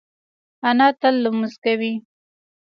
انا تل لمونځ کوي